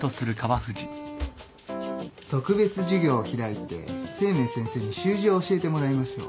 特別授業を開いて清明先生に習字を教えてもらいましょう。